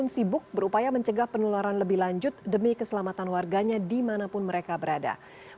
selamat sore pak yuda